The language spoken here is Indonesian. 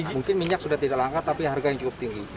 mungkin minyak sudah tidak langka tapi harga yang cukup tinggi